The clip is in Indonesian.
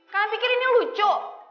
kalian pikir ini lucu